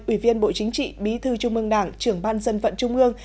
ủy viên bộ chính trị bí thư trung ương đảng trưởng ban dân vận trung ương